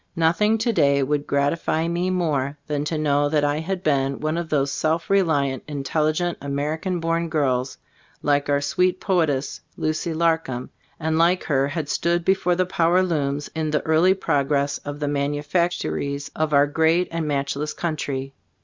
Noth ing to day would gratify me more than to know that I had been one of those self reliant, intelligent, Ameri can born girls like our sweet poetess, Lucy Larcom, and like her had stood before the power looms in the early progress of the manufactories of our 3be Storg of Ag (Jbfldbood 109 great and matchless country.